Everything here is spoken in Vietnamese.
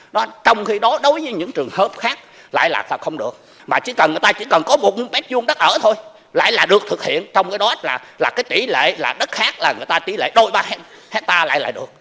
nói chung là người ta chỉ cần có một m hai đất ở thôi lại là được thực hiện trong cái đó là cái tỷ lệ là đất khác là người ta tỷ lệ đôi ba hectare lại là được